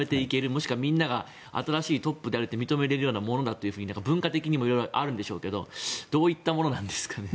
もしくはみんなが新しいトップであると認められるようなものだとか文化的にもあるんでしょうけどどういったものなんですかね。